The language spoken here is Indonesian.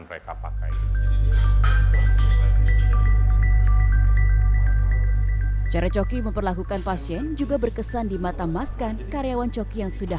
mereka pakai cara coki memperlakukan pasien juga berkesan di mata maskan karyawan coki yang sudah